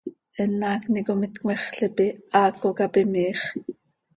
Eenm haacni com itcmexl ipi, haaco cap imiiix.